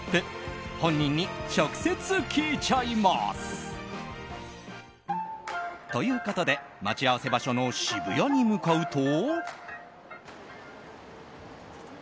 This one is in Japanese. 本人に直接聞いちゃいます。ということで、待ち合わせ場所の渋谷に向かうと。